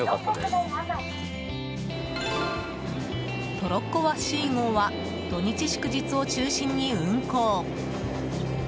「トロッコわっしー号」は土日祝日を中心に運行。